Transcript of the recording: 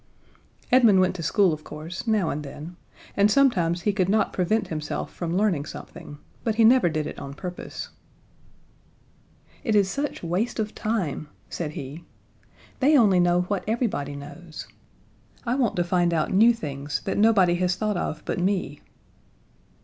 Edmund went to school, of course, now and then, and sometimes he could not prevent himself from learning something, but he never did it on purpose. "It is such waste of time," said he. "They only know what everybody knows. I want to find out new things that nobody has thought of but me."